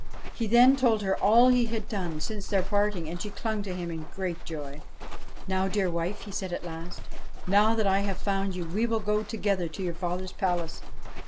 He then told her all he had done since their parting, and she clung to him in great joy. ' Now, dear wife," he said at last ;' now that I have found you, we will go together to your father's palace.'